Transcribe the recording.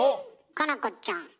佳菜子ちゃん。